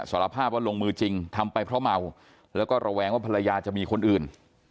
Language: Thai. สารภาพว่าลงมือจริงทำไปเพราะเมาแล้วก็ระแวงว่าภรรยาจะมีคนอื่น